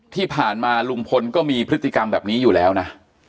ที่ผ่านมาลุงพลก็มีพฤติกรรมแบบนี้อยู่แล้วนะ